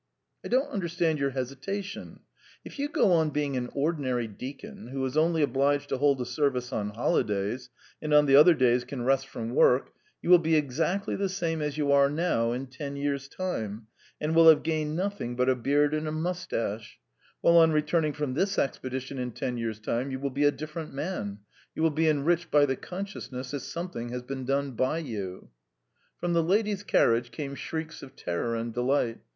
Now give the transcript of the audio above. "I don't understand your hesitation. If you go on being an ordinary deacon, who is only obliged to hold a service on holidays, and on the other days can rest from work, you will be exactly the same as you are now in ten years' time, and will have gained nothing but a beard and moustache; while on returning from this expedition in ten years' time you will be a different man, you will be enriched by the consciousness that something has been done by you." From the ladies' carriage came shrieks of terror and delight.